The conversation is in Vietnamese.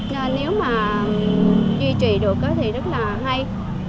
nên nếu mà duy trì được thì rất là hay